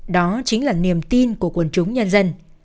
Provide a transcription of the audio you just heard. đó chính là niềm tin của quần chúng nhân dân